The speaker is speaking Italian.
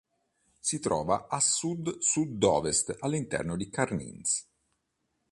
Si trova a sud-sud-ovest all'interno di Cairns.